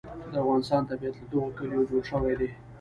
د افغانستان طبیعت له دغو کلیو جوړ شوی دی.